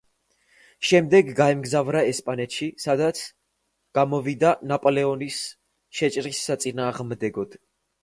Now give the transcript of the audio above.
შემდეგ გაემგზავრა ესპანეთში სადაც გამოვიდა ნაპოლეონის შეჭრის საწინააღმდეგოდ.